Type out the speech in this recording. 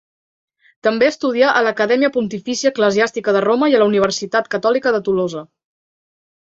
També estudià a l'Acadèmia Pontifícia Eclesiàstica de Roma i a la Universitat Catòlica de Tolosa.